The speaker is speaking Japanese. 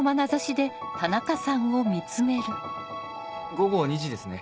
午後２時ですね？